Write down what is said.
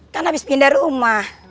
kan abis pindah rumah